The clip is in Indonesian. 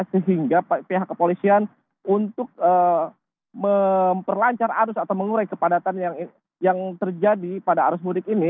sehingga pihak kepolisian untuk memperlancar arus atau mengurai kepadatan yang terjadi pada arus mudik ini